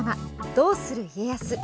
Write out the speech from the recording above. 「どうする家康」。